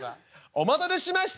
「お待たせしました。